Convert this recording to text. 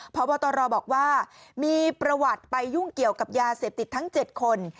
พบตรบอกว่ามีประวัติไปยุ่งเกี่ยวกับยาเสพติดทั้ง๗คน